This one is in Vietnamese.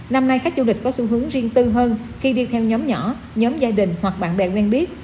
năm nay khách du lịch có xu hướng riêng tư hơn khi đi theo nhóm nhỏ nhóm gia đình hoặc bạn bè quen biết